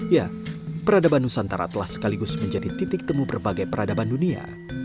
ya peradaban nusantara telah sekaligus menjadi titik temu berbagai peradaban dunia